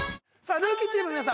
ルーキーチームの皆さん